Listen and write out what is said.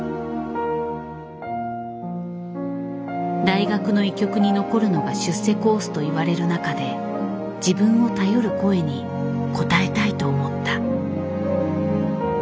大学の医局に残るのが出世コースと言われる中で自分を頼る声に応えたいと思った。